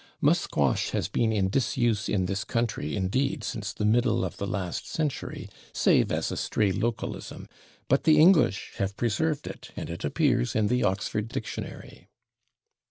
/Musquash/ has been in disuse in this country, indeed, since the middle of the last century, save as a stray localism, but the English have preserved it, and it appears in the Oxford Dictionary.